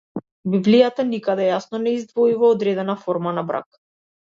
Библијата никаде јасно не издвојува одредена форма на брак.